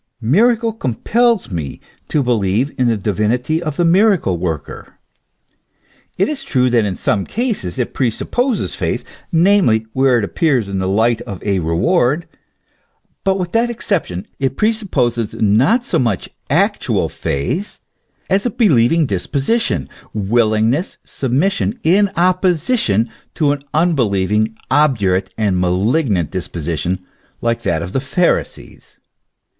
Miracle compels me to believe in the divinity of the miracle worker.* It is true that in some cases it presupposes faith, namely, where it appears in the light of a reward ; but with that exception it presupposes not so much actual faith as a believing disposition, willingness, submission, in opposition to an unbelieving, obdurate, and malignant disposition, like that of the Pharisees.